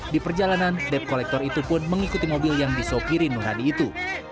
di perjalanan dep kolektor itu pun mengikuti mobil yang disopirin nur hadi itu